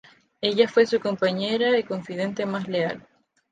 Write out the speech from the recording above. Ella fue su compañera y confidente más leal.